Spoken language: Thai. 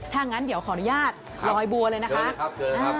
ถ้างั้นเดี๋ยวขออนุญาตลอยบัวเลยนะคะ